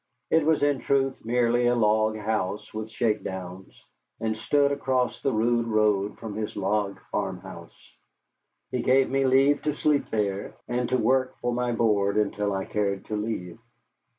It was in truth merely a log house with shakedowns, and stood across the rude road from his log farmhouse. And he gave me leave to sleep there and to work for my board until I cared to leave.